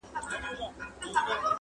څوک به پوه سي چي له چا به ګیله من یې؟ -